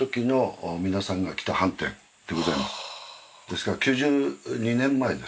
ですから９２年前ですか。